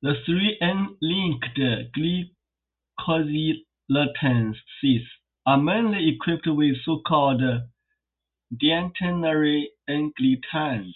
The three N-linked glycosylations sites are mainly equipped with so-called diantennary N-glycans.